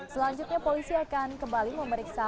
selanjutnya polisi akan kembali memeriksa